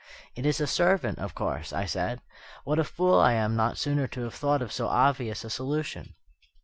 "It is a servant, of course," I said; "what a fool I am not sooner to have thought of so obvious a solution!"